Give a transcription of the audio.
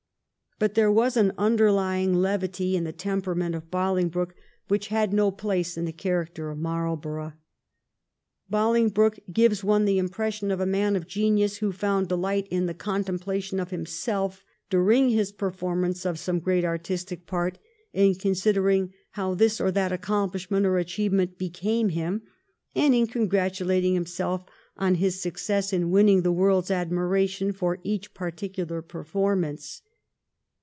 But there was an underlying levity in the temperament of Bolingbroke which had no 78 THE REIGN OF QUEEN ANNE. ch. xxiv. place in the character of Marlborough. Bolingbroke gives one the impression of a man of genius who found delight in the contemplation of himself during his performance of some great artistic part, in con sidering how this or that accomplishment or achieve ment became him, and in congratulating himself on his success in winning the world's admiration for each particular performance.